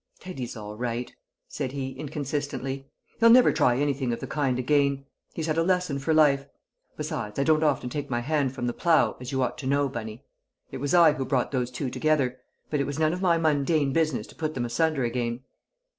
"Teddy's all right," said he, inconsistently. "He'll never try anything of the kind again; he's had a lesson for life. Besides, I don't often take my hand from the plough, as you ought to know. Bunny. It was I who brought those two together. But it was none of my mundane business to put them asunder again."